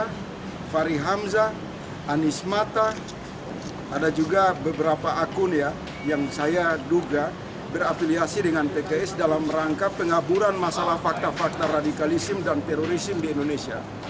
ada fahri hamzah anies mata ada juga beberapa akun ya yang saya duga berafiliasi dengan pks dalam rangka pengaburan masalah fakta fakta radikalisme dan terorisme di indonesia